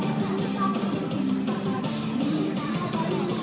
ตรงตรงตรงตรงตรง